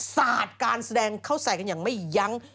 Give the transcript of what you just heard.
สาดการแสดงเข้าใส่กันอย่างไม่ยั้ง